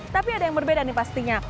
tapi ada yang berbeda nih pastinya